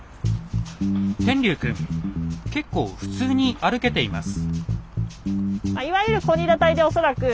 天龍くん結構普通に歩けています。